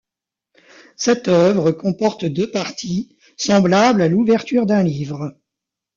Cette œuvre comporte deux parties, semblable à l'ouverture d'un livre.